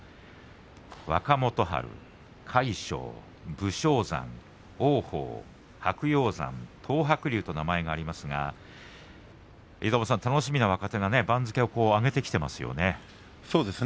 若元春、魁勝、武将山王鵬、白鷹山東白龍と名前がありますが岩友さん、楽しみな力士が番付を上げてきていますね。